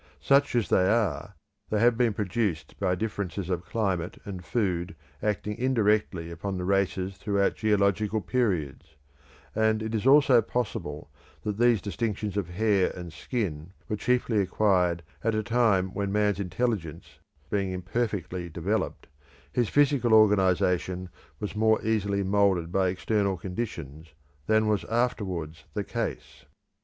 Such as they are, they have been produced by differences of climate and food acting indirectly upon the races throughout geological periods; and it is also possible that these distinctions of hair and skin were chiefly acquired at a time when man's intelligence being imperfectly developed, his physical organisation was more easily moulded by external conditions than was afterwards the case.